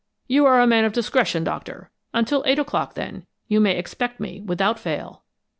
"You are a man of discretion, Doctor! Until eight o'clock, then. You may expect me, without fail."